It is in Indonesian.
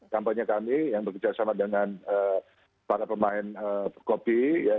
kampanye kami yang bekerjasama dengan para pemain kopi